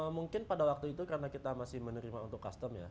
mungkin pada waktu itu karena kita masih menerima untuk custom ya